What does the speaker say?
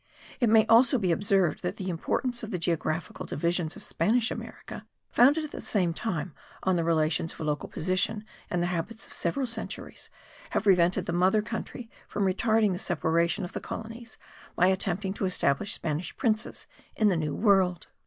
It may also be observed that the importance of the geographical divisions of Spanish America, founded at the same time on the relations of local position and the habits of several centuries, have prevented the mother country from retarding the separation of the colonies by attempting to establish Spanish princes in the New World.